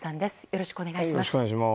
よろしくお願いします。